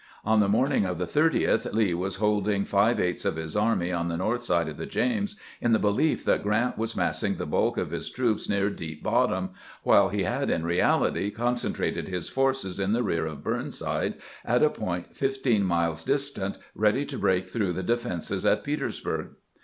On the morning of the 30th Lee was holding five eighths of his army on the north side of the James, in the belief that Grant was massing the bulk of his troops near Deep Bottom, while he had in reality concentrated his forces in the rear of Burnside at a point fifteen miles distant, ready to break through the defenses at Peters burg.